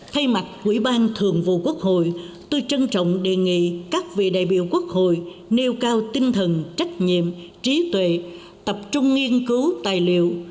thay mặt quỹ ban thường vụ quốc hội tôi trân trọng đề nghị các vị đại biểu quốc hội nêu cao tinh thần trách nhiệm trí tuệ tập trung nghiên cứu tài liệu